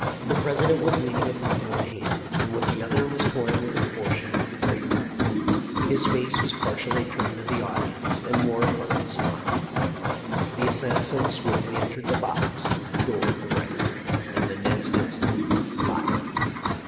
The President was leaning upon one hand, and with the other was toying with a portion of the drapery. His face was partially turned to the audience, and wore a pleasant smile. " The assassin swiftly entered the box through the door at the right, and the next instant fired.